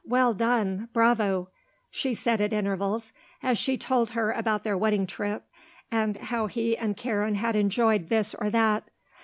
Well done. Bravo," she said at intervals, as he told her about their wedding trip and how he and Karen had enjoyed this or that.